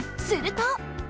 すると。